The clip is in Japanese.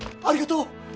ありがとう！